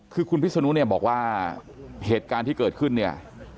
คือคุณพิศนุเนี่ยบอกว่าเหตุการณ์ที่เกิดขึ้นเนี่ย